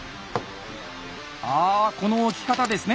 あこの置き方ですね。